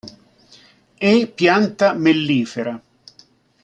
È pianta mellifera.